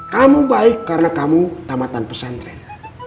kamu baik karena kamu tamatan pesantren